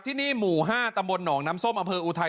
ที่นี่หมู่๕ตำบลหนองน้ำส้มอำเภออุทัย